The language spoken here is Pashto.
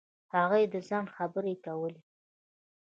هغوی د ځنډ خبرې کولې.